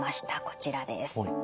こちらです。